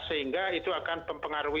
sehingga itu akan mempengaruhi